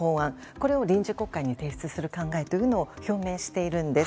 これを臨時国会に提出する考えを表明しているんです。